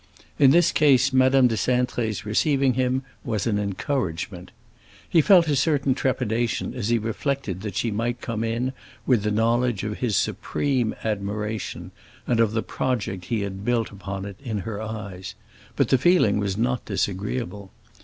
In this case Madame de Cintré's receiving him was an encouragement. He felt a certain trepidation as he reflected that she might come in with the knowledge of his supreme admiration and of the project he had built upon it in her eyes; but the feeling was not disagreeable.